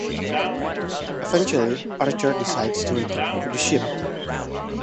Eventually, Archer decides to return to the ship.